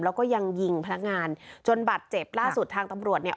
แล้วก็ยังยิงพนักงานจนบาดเจ็บล่าสุดทางตำรวจเนี่ย